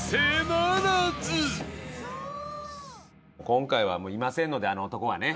今回はいませんのであの男はね。